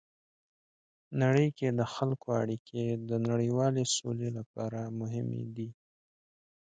نړۍ کې د خلکو اړیکې د نړیوالې سولې لپاره مهمې دي.